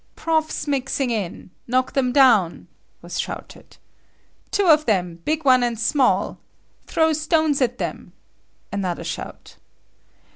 "Profs mixing in!" "Knock them down!" was shouted. "Two of them; big one and small. Throw stones at them!" Another shout.